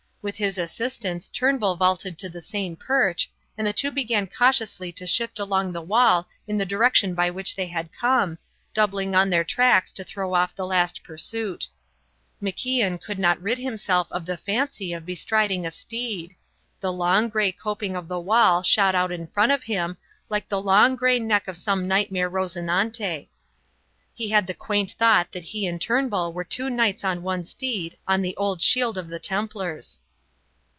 With his assistance Turnbull vaulted to the same perch, and the two began cautiously to shift along the wall in the direction by which they had come, doubling on their tracks to throw off the last pursuit. MacIan could not rid himself of the fancy of bestriding a steed; the long, grey coping of the wall shot out in front of him, like the long, grey neck of some nightmare Rosinante. He had the quaint thought that he and Turnbull were two knights on one steed on the old shield of the Templars.